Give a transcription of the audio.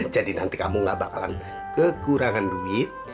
jadi nanti kamu nggak bakalan kekurangan duit